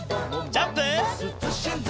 ジャンプ！